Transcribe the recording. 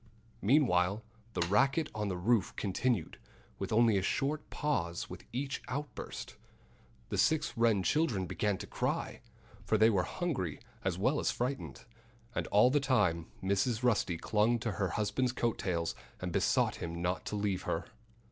Meanwhile the racket on the roof continued, with only a short pause between each outburst. The six Wren children began to cry for they were hungry as well as frightened. And all the time Mrs. Rusty clung to her husband's coat tails and besought him not to leave her.